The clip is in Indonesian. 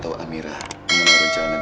kamu masih mampu birthday saya sekarang ya